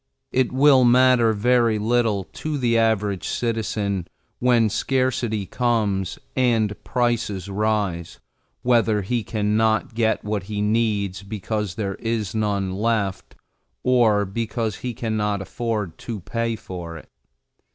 It will matter very little to the average citizen, when scarcity comes and prices rise, whether he can not get what he needs because there is none left or because he can not afford to pay for it.